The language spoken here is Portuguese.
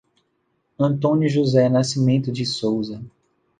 Antônio José Nascimento de Souza